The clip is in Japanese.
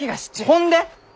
ほんで！？